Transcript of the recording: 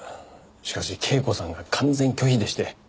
しかし恵子さんが完全拒否でして。